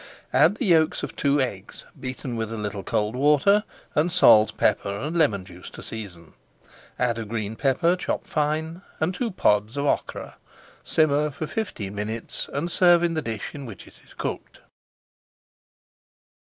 Add the yolks of two eggs beaten with a little cold water, and salt, pepper, and lemon juice to season. Add a green pepper chopped fine, and two pods of okra. Simmer for fifteen minutes and serve in the dish in which it is cooked.